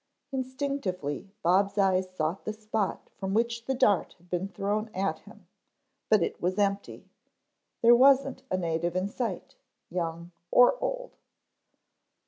Instinctively Bob's eyes sought the spot from which the dart had been thrown at him, but it was empty; there wasn't a native in sight, young or old.